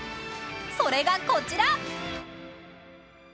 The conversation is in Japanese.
それがこちら